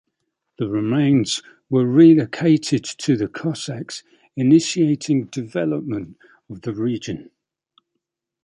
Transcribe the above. The remains were relocated to the Cossacks, initiating development of the region.